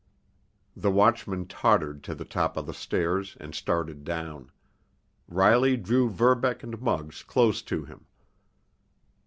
The watchman tottered to the top of the stairs and started down. Riley drew Verbeck and Muggs close to him.